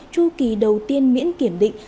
chu kỳ đầu tiên miễn kiểm định